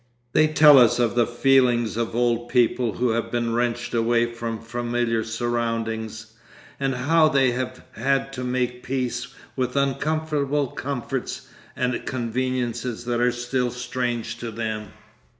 They tell us of the feelings of old people who have been wrenched away from familiar surroundings, and how they have had to make peace with uncomfortable comforts and conveniences that are still strange to them.